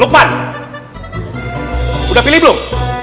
lukman udah pilih belum